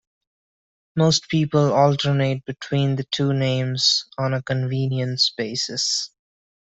Most people alternate between the two names on a convenience basis.